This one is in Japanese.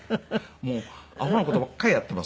もうアホな事ばっかりやっています毎日。